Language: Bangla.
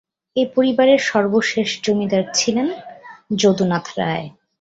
এ পরিবারের সর্বশেষ জমিদার ছিলেন যদুনাথ রায়।